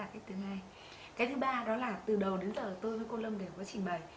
cách thứ ba đó là từ đầu đến giờ tôi với cô lâm đều có trình bày